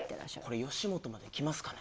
これ吉本まできますかね？